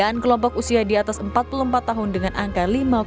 dan kelompok usia di atas empat puluh empat tahun dengan angka lima delapan puluh delapan